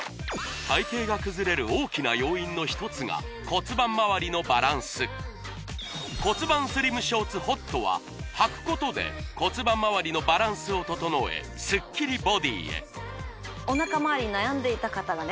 体型が崩れる大きな要因の一つが骨盤周りのバランス骨盤スリムショーツＨＯＴははくことで骨盤周りのバランスを整えスッキリボディーへおなか周りに悩んでいた方がね